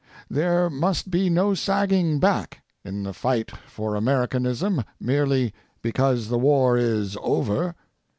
There must be no sagging back in the fight for Americanism merely because the war is over.